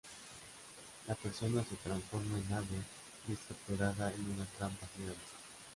La persona se transforma en ave y es capturada en una trampa gigante.